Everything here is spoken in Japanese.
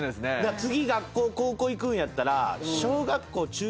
次高校行くんやったら。